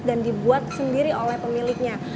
dan dibuat sendiri oleh pemiliknya